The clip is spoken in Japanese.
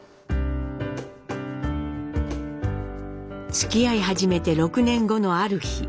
つきあい始めて６年後のある日。